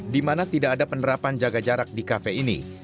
di mana tidak ada penerapan jaga jarak di kafe ini